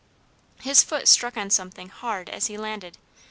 His foot struck on something hard as he landed.